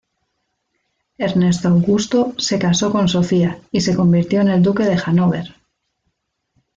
Ernesto Augusto se casó con Sofía y se convirtió en el duque de Hanóver.